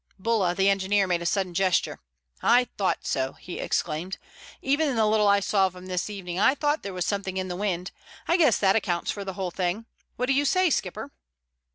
Bulla, the engineer, made a sudden gesture. "I thought so," he exclaimed. "Even in the little I saw of them this evening I thought there was something in the wind. I guess that accounts for the whole thing. What do you say, skipper?"